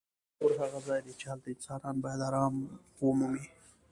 کور هغه ځای دی چې هلته انسان باید ارام ومومي.